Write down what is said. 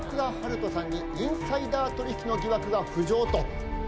人さんにインサイダー取引の疑惑が浮上と。